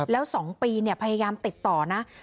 แล้ว๒ปีพยายามติดต่อนะ